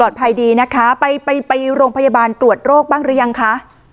ภัยดีนะคะไปไปโรงพยาบาลตรวจโรคบ้างหรือยังคะ